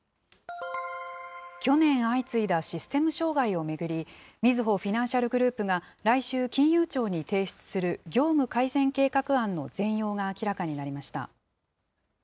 去年相次いだシステム障害を巡り、みずほフィナンシャルグループが来週、金融庁に提出する業務改善計画案の全容が明らかになりました。